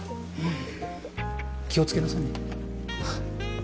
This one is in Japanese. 気を付けなさいね。